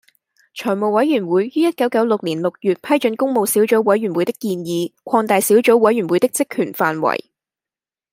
財務委員會於一九九六年六月批准工務小組委員會的建議，擴大小組委員會的職權範圍